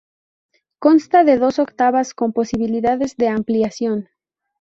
Consta de dos octavas con posibilidades de ampliación.